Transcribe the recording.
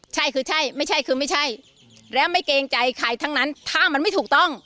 ใช่คือใช่ไม่ใช่คือไม่ใช่แล้วไม่เกรงใจใครทั้งนั้นถ้ามันไม่ถูกต้อง